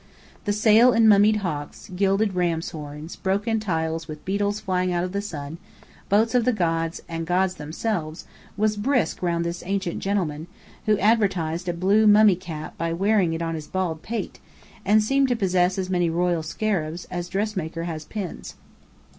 The sale in mummied hawks, gilded rams' horns, broken tiles with beetles flying out of the sun, boats of the gods, and gods themselves, was brisk round this ancient gentleman, who advertised a blue mummy cap by wearing it on his bald pate, and seemed to possess as many royal scarabs as a dressmaker has pins.